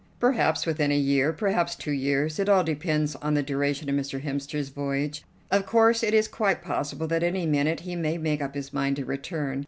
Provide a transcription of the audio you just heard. "Perhaps within a year, perhaps two years. It all depends on the duration of Mr. Hemster's voyage. Of course it is quite possible that at any minute he may make up his mind to return.